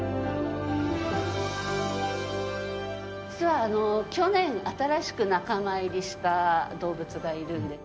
実は去年新しく仲間入りした動物がいるんで。